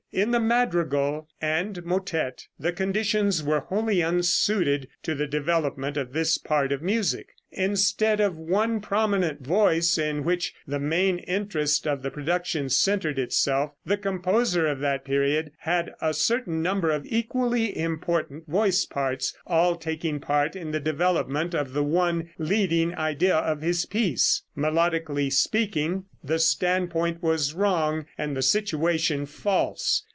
In the madrigal and motette the conditions were wholly unsuited to the development of this part of music. Instead of one prominent voice, in which the main interest of the production centered itself, the composer of that period had a certain number of equally important voice parts, all taking part in the development of the one leading idea of his piece. Melodically speaking, the standpoint was wrong and the situation false.